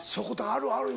「あるある」